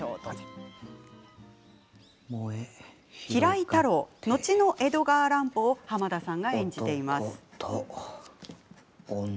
平井太郎、後の江戸川乱歩を濱田さんが演じています。